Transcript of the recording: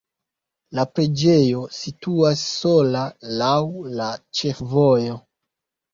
La preĝejo situas sola laŭ la ĉefvojo.